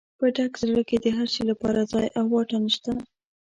په ډک زړه کې د هر شي لپاره ځای او واټن شته.